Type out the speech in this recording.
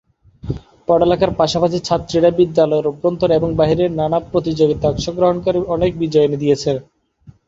পড়ালেখার পাশাপাশি ছাত্রীরা বিদ্যালয়ের অভ্যন্তরে এবং বাহিরে নান প্রতিযোগীতায় অংশগ্রহণ করে অনেক বিজয় এনে দিয়েছে।